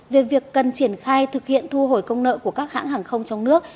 về việc cần triển khai thực hiện thu hồi công nợ của các hãng hàng không trong nước